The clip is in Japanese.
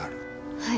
はい。